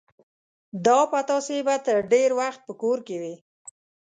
دا پتاسې به تر ډېر وخت په کور کې وې.